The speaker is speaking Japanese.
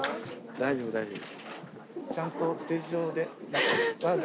大丈夫大丈夫。